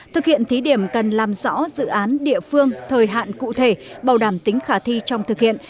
thực hiện thí điểm cần làm rõ dự án địa phương thời hạn cụ thể bảo đảm tính khả thi trong thực hiện